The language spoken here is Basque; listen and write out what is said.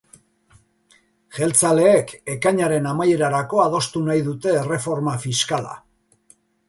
Jeltzaleek ekainaren amaierarako adostu nahi dute erreforma fiskala.